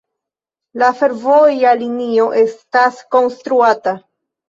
La fervoja linio estas konstruata.